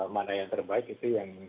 mana yang terbaik itu yang